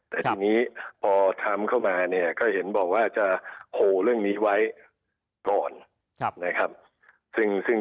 แต่ตัวนี้พอทรัมป์เข้ามาก็เห็นว่าจะโหเรื่องนี้ไว้ก่อน